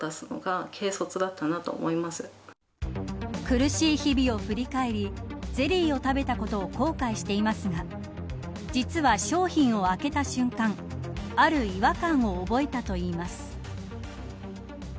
苦しい日々を振り返りゼリーを食べたことを後悔していますが実は、商品を開けた瞬間ある違和感を覚えたといいます。